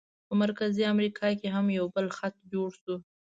په مرکزي امریکا کې هم یو بل خط جوړ شو.